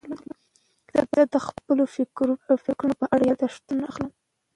زه د خپلو فکرونو په اړه یاداښتونه اخلم.